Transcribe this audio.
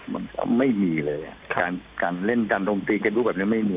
มันไม่มีเลยอ่ะการเล่นดันตรงตีแก่บุ๊คแบบนี้ไม่มี